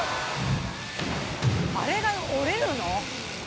あれが折れるの？